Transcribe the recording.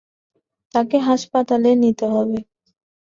তাকে হাসপাতালে নিতে হবে।